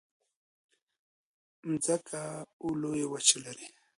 مځکه اوه لویې وچې لري.